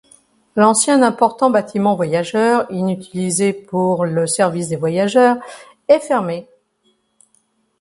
L'ancien important bâtiment voyageurs, inutilisé pour le service des voyageurs, est fermé.